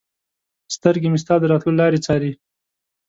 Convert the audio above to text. سترګې مې ستا د راتلو لارې څاري